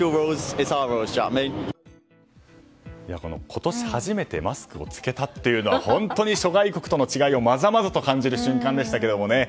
今年初めてマスクを着けたというのは本当に諸外国との違いをまざまざと感じる違いでした。